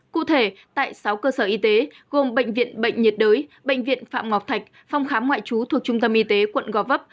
cụ thể tại sáu cơ sở y tế gồm bệnh viện bệnh nhiệt đới bệnh viện phạm ngọc thạch phòng khám ngoại trú thuộc trung tâm y tế quận gò vấp